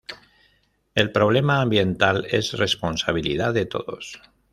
El problema ambiental es responsabilidad de todos"".